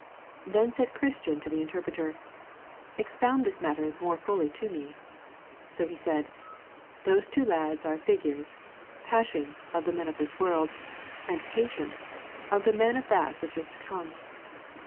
Then said Christian to the Interpreter, 'Expound this matter more fully to me.' So he said, 'Those two lads are figures; Passion, of the men of this world; and Patience of the men of that which is to come.'